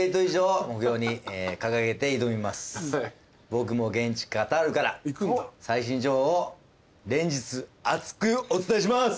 僕も現地カタールから最新情報を連日熱くお伝えします！